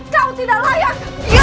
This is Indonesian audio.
kau tidak layak